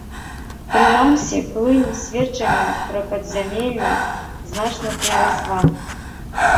Прынамсі, плынь сведчанняў пра падзямеллі значна прырасла.